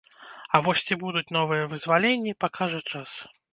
А вось ці будуць новыя вызваленні, пакажа час.